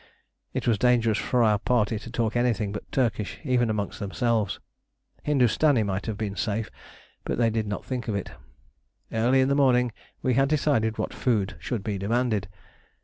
It was dangerous for our party to talk anything but Turkish, even amongst themselves. Hindustani might have been safe, but they did not think of it. Early in the morning we had decided what food should be demanded.